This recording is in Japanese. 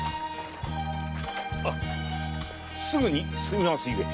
すぐに済みますゆえ